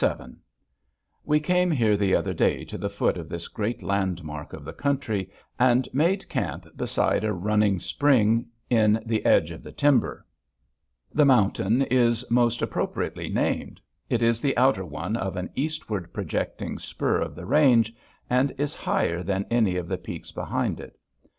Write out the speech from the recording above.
_ We came up here the other day to the foot of this great landmark of the country, and made camp beside a running spring in the edge of the timber. The mountain is most appropriately named. It is the outer one of an eastward projecting spur of the range, and is higher than any of the peaks behind it.